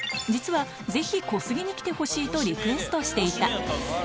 実は、ぜひ、小杉に来てほしいとリクエストしていた。